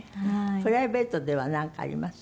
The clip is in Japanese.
プライベートではなんかあります？